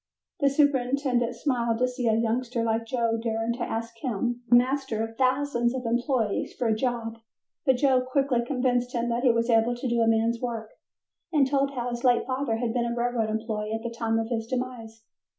The superintendent smiled to see a youngster like Joe daring to ask him, the master of thousands of employees, for a job, but Joe quickly convinced him that he was able to do a man's work and told how his late father had been a railroad employee at the time of his demise.